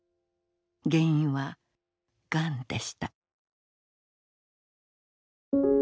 原因はがんでした。